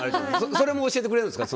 それも教えてくれるんですか？